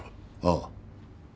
ああ。